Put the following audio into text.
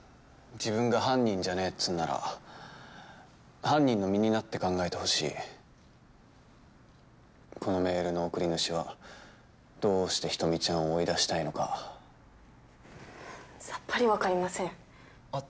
自分が犯人じゃねえっつうんなら犯人の身になって考えてほしいこのメールの送り主はどうして人見ちゃんを追い出したいのかさっぱりわかりませんあっ